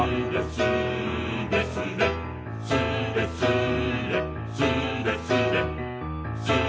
「スレスレスーレスレ」「スレスレ」